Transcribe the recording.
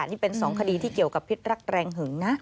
นี่เป็น๒คดีที่เกี่ยวกับพิษรักแรงหึงนะ